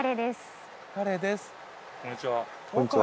こんにちは。